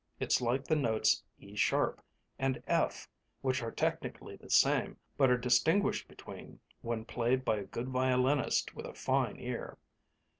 It's like the notes E sharp and F, which are technically the same, but are distinguished between when played by a good violinist with a fine ear.